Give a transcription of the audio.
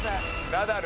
ナダル。